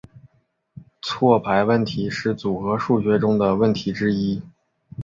错排问题是组合数学中的问题之一。